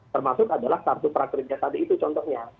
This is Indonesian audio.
termasuk adalah kartu prakerja tadi itu contohnya